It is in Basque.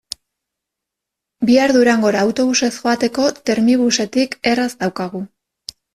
Bihar Durangora autobusez joateko Termibusetik erraz daukagu.